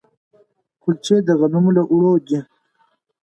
کلچې د غنمو له اوړو دي.